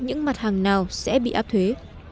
những mặt hàng nào sẽ bị áp thuế